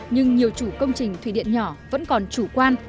nhưng nhiều chủ công trình thủy điện nhỏ vẫn còn chủ quan